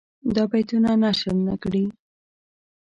دا بیتونه نشر نه کړي.